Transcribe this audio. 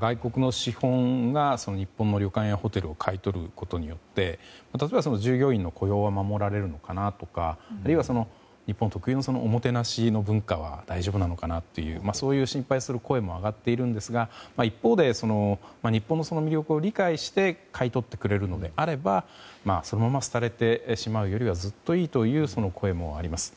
外国の資本が日本の旅館やホテルを買い取ることによって例えば従業員の雇用が守られるのかなとかあるいは、日本特有のおもてなしの文化は大丈夫なのかなというそういう心配する声も上がっているんですが一方で、日本の魅力を理解して買い取ってくれるのであればそのまますたれてしまうよりはずっといいという声もあります。